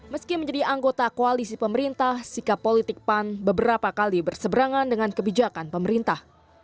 meski menjadi anggota koalisi pemerintah sikap politik pan beberapa kali berseberangan dengan kebijakan pemerintah